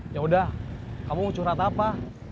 yaudah kamu mau curhat apa